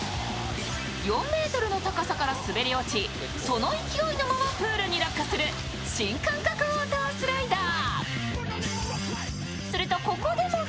４ｍの高さから滑り落ち、その勢いのままプールに落下する新感覚ウォータースライダー。